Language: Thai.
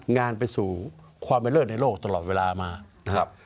งานไปสู่ความเป็นเลิศในโลกตลอดเวลามานะครับ